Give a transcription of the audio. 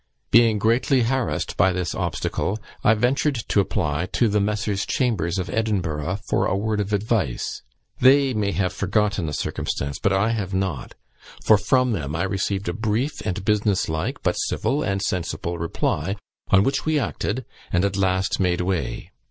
Being greatly harassed by this obstacle, I ventured to apply to the Messrs. Chambers, of Edinburgh, for a word of advice; they may have forgotten the circumstance, but I have not, for from them I received a brief and business like, but civil and sensible reply, on which we acted, and at last made way."